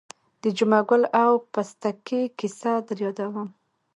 د جمعه ګل او پستکي کیسه در یادوم.